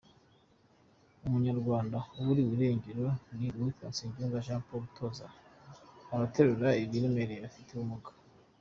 Umunyarwanda waburiwe irengero ni uwitwa Nsengiyumva Jean Paul utoza Abaterura Ibiremereye bafite Ubumuga.